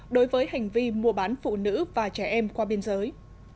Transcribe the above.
đối với hành vi mua bán phụ nữ và trẻ em qua biên giới